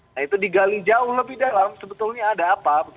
nah itu digali jauh lebih dalam sebetulnya ada apa